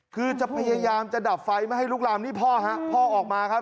คือจะพยายามจะดับไฟไม่ให้ลุกลามนี่พ่อฮะพ่อออกมาครับ